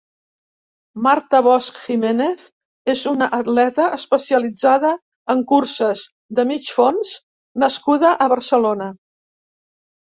Marta Bosch Jiménez és una atleta especialitzada en curses de mig fons nascuda a Barcelona.